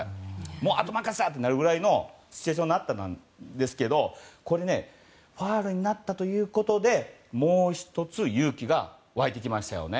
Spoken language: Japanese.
もう後は任せた！となるぐらいのシチュエーションですけどここで、ファウルになったことでもう１つ勇気が湧いてきましたよね。